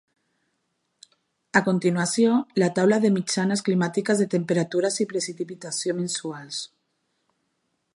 A continuació, la taula de les mitjanes climàtiques de temperatures i precipitació mensuals.